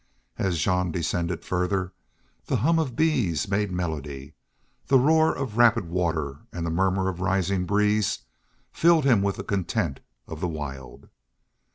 As Jean descended farther the hum of bees made melody, the roar of rapid water and the murmur of a rising breeze filled him with the content of the wild.